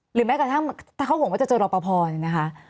หรือแม้กระทั่งถ้าเขาหงว่าจะเจอรอปภนะคะ